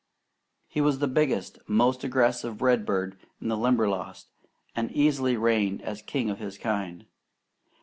He was the biggest, most aggressive redbird in the Limberlost, and easily reigned king of his kind.